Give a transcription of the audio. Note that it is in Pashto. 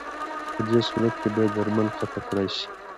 پدې صورت کې باید درمل قطع کړای شي.